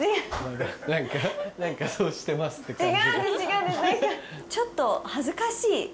何かちょっと恥ずかしい。